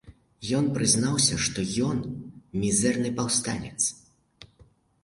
Ён прызнаўся, што ён мізэрны паўстанец.